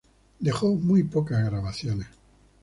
Dejó muy pocas grabaciones.